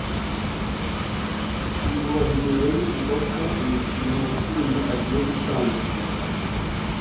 Ibihuha bigenda bivugwa ko umukinnyi wa filime agiye gutandukana.